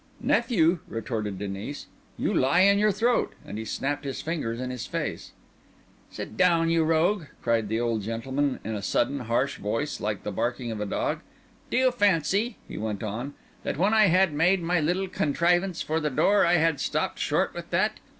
"Nephew!" retorted Denis, "you lie in your throat;" and he snapped his fingers in his face. "Sit down, you rogue!" cried the old gentleman, in a sudden, harsh voice, like the barking of a dog. "Do you fancy," he went on, "that when I had made my little contrivance for the door I had stopped short with that?